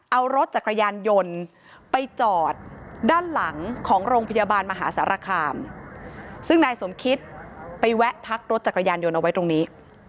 เอารถจักรยานยนต์ไปจอดด้านหลังของโรงพยาบาลมหาสารคามซึ่งนายสมคิตไปแวะพักรถจักรยานยนต์เอาไว้ตรงนี้